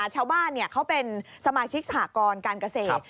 ชาวบ้านเขาเป็นสมาชิกสหกรการเกษตร